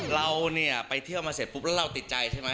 เราเนี่ยไปเที่ยวมาเสร็จปุ๊บแล้วเราติดใจใช่ไหม